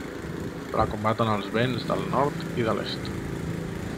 La combaten els vents del nord i de l'est.